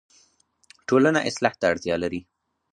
ټولنه اصلاح ته اړتیا لري